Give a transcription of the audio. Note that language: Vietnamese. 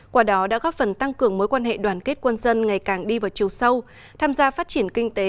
qua đó đã góp phần tăng cường mối quan hệ đoàn kết quân dân ngày càng đi vào chiều sâu tham gia phát triển kinh tế